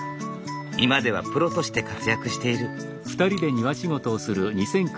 今ではプロとして活躍している。